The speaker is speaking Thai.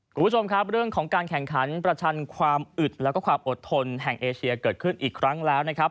คุณผู้ชมครับเรื่องของการแข่งขันประชันความอึดแล้วก็ความอดทนแห่งเอเชียเกิดขึ้นอีกครั้งแล้วนะครับ